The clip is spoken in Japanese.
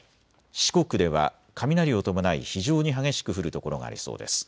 四国では雷を伴い非常に激しく降る所がありそうです。